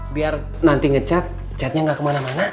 biar nanti ngecat catnya nggak kemana mana